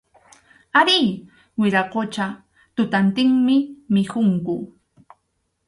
Arí, wiraqucha, tutantinmi mikhunku.